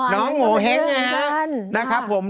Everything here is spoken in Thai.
น้องโหเฮ็กน์